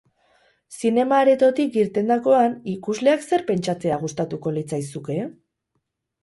Zinema aretotik irtendakoan, ikusleak zer pentsatzea gustatuko litzaizuke?